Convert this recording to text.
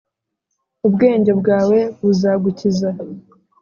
Ubwenge bwawe buzagukiza.